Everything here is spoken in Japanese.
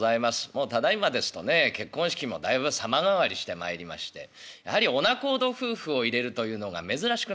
もうただいまですとね結婚式もだいぶ様変わりしてまいりましてやはりお仲人夫婦を入れるというのが珍しくなってまいりました。